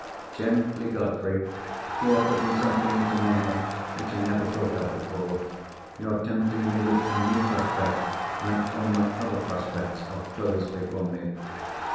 "Gently, Godfrey! you are putting something into my head which I never thought of before. You are tempting me with a new prospect, when all my other prospects are closed before me.